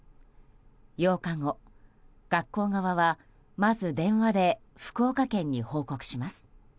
８日後、学校側はまず電話で福岡県に報告します。